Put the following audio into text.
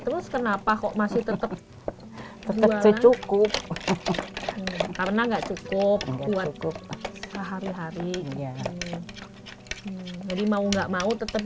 terus kenapa kok masih tetep cukup karena enggak cukup cukup sehari hari jadi mau nggak mau tetep